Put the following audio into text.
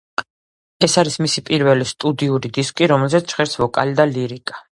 ეს არის მისი პირველი სტუდიური დისკი, რომელზეც ჟღერს ვოკალი და ლირიკა.